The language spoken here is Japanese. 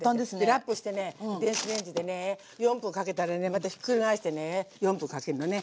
ラップしてね電子レンジでね４分かけたらねまたひっくり返してね４分かけるのね。